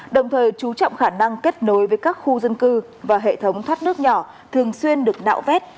đồng thời chú trọng khả năng kết nối với các khu dân cư và hệ thống thoát nước nhỏ thường xuyên được nạo vét